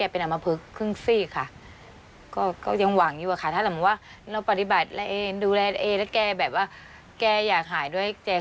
ภาพบำบัด